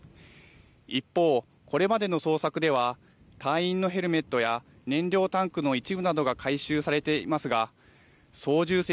一方、これまでの捜索では隊員のヘルメットや燃料タンクの一部などが回収されていますが操縦席